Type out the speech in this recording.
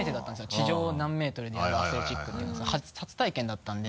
地上何メートルにあるアスレチックっていうのが初体験だったんで。